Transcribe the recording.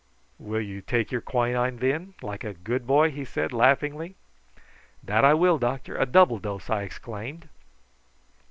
"Will you take your quinine, then, like a good boy?" he said laughingly. "That I will, doctor a double dose," I exclaimed.